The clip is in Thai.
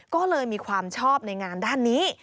ก็เลยมีความชอบในงานด้านนี้